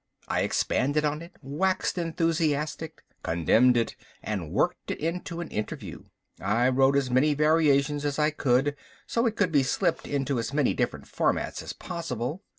I expanded on it, waxed enthusiastic, condemned it, and worked it into an interview. I wrote as many variations as I could, so it could be slipped into as many different formats as possible.